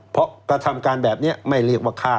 เพราะกระทำการแบบนี้ไม่เรียกว่าฆ่า